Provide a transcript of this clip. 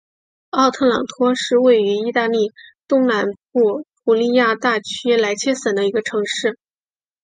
奥特朗托是位于义大利东南部普利亚大区莱切省的一个城市。